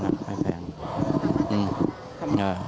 ทำไมหนะ